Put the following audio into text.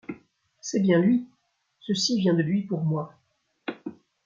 C’est bien lui ! ceci vient de lui pour moi !